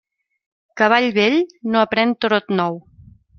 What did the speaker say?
Cavall vell no aprén trot nou.